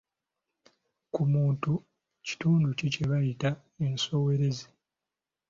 Ku muntu kitundu ki kye bayita ensowerezi?